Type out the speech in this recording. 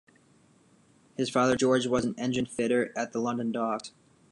His father George was an engine fitter at the London Docks.